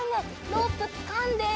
ロープつかんで。